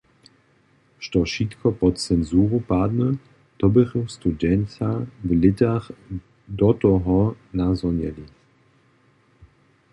Što wšitko pod censuru padny, to běchu studenća w lětach do toho nazhonjeli.